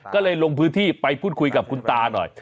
ก็เลยลงพื้นที่ไปพูดคุยกับคุณตาหน่อย